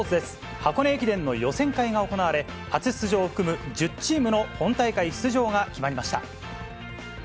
箱根駅伝の予選会が行われ、初出場を含む１０チームの本大会出場が決まりました。